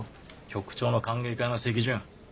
局長の歓迎会の席順。